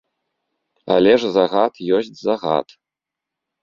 Але ж загад ёсць загад.